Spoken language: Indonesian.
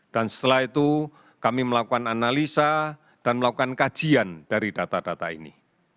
dan setelah itu kami melakukan analisa dan melakukan kajian dari data data ini